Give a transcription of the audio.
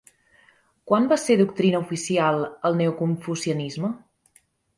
Quan va ser doctrina oficial el neoconfucianisme?